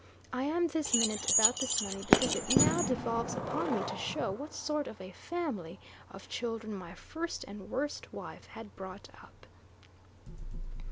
I am thus minute about this money because it now devolves upon me to show what sort of a family of children my first and worst wife had brought up.